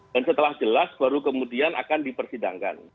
dan setelah jelas baru kemudian akan dipersidangkan